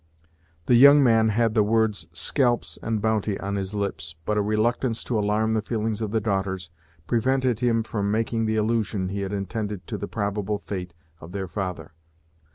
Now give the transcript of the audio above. The young man had the words "scalps" and "bounty" on his lips, but a reluctance to alarm the feelings of the daughters prevented him from making the allusion he had intended to the probable fate of their father.